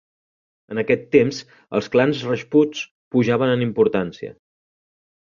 En aquest temps els clans rajputs pujaven en importància.